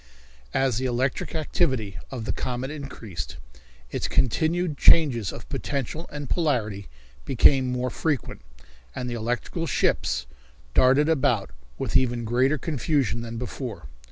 As the electric activity of the comet increased, its continued changes of potential and polarity became more frequent, and the electrical ships darted about with even greater confusion than before.